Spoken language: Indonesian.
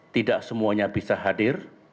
tidak semuanya bisa hadir